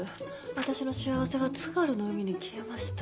私の幸せは津軽の海に消えました。